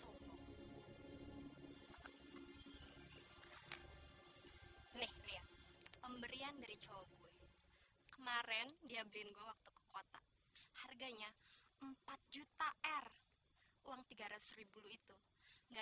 nih pemberian dari cowok kemarin dia beliin waktu ke kota harganya empat juta r uang tiga ratus itu nggak